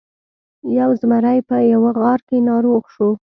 یو زمری په یوه غار کې ناروغ شو.